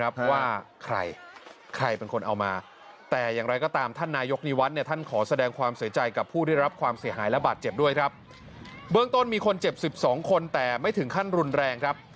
เบิร์กต้นมีคนเจ็บ๑๒คนแต่ไม่ถึงขั้นรุนแรงครับ